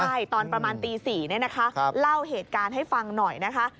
ใช่ตอนประมาณตี๔เนี่ยนะคะเล่าเหตุการณ์ให้ฟังหน่อยนะคะ